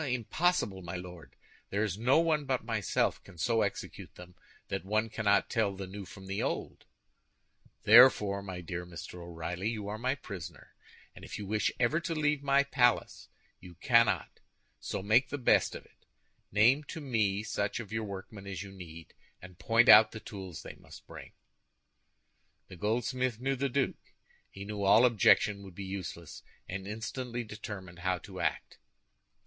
"Impossible, my Lord! There is no one but myself can so execute them that one cannot tell the new from the old." "Therefore, my dear Mr. O'Reilly, you are my prisoner. And if you wish ever to leave my palace, you cannot; so make the best of it. Name to me such of your workmen as you need, and point out the tools they must bring." The goldsmith knew the duke. He knew all objection would be useless, and instantly determined how to act.